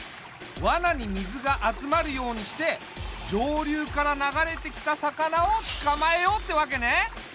わなに水が集まるようにして上流から流れてきた魚をつかまえようってわけね。